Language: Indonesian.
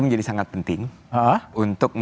menjadi sangat penting untuk